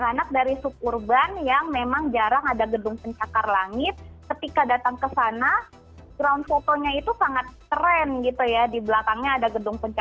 akhirnya mereka semua turun gunung